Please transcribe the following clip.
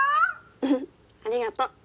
うんありがと。